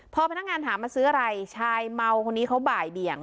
พอพนักงานถามมาซื้ออะไรชายเมาคนนี้เขาบ่ายเบี่ยง